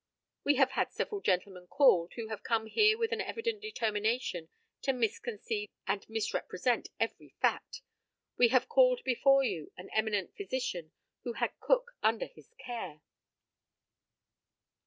We have had several gentlemen called, who have come here with an evident determination to misconceive and misrepresent every fact. We have called before you an eminent physician, who had Cook under his care.